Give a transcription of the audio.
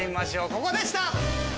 ここでした！